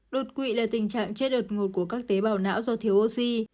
đột quỵ là tình trạng che đột ngột của các tế bào não do thiếu oxy